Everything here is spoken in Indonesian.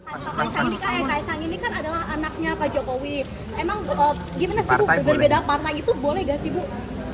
kaisang ini kan adalah anaknya pak jokowi emang gimana sih bu berbeda beda partai itu boleh gak sih bu